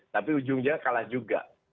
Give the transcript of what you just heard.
tapi ujungnya kalah juga